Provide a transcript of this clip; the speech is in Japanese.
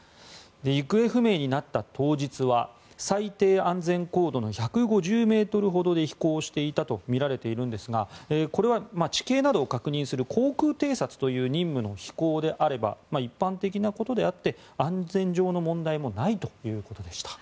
行方不明になった当日は最低安全高度の１５０ｍほどで飛行していたとみられるんですがこれは地形などを確認する航空偵察という任務の飛行であれば一般的なことであって安全上の問題もないということでした。